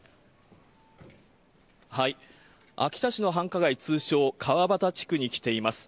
秋田市の繁華街、通称、川反地区に来ています。